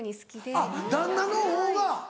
あっ旦那のほうが。